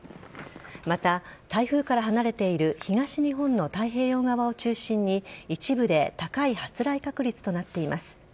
また、台風から離れている東日本の太平洋側を中心に一部で高い発雷確率となっています。